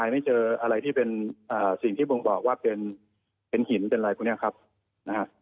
ไม่เจออะไรที่เป็นสิ่งที่บ่งบอกว่าเป็นหินเป็นอะไรพวกนี้ครับนะฮะ